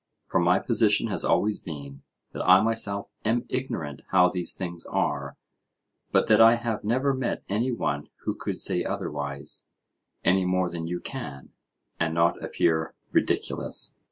For my position has always been, that I myself am ignorant how these things are, but that I have never met any one who could say otherwise, any more than you can, and not appear ridiculous.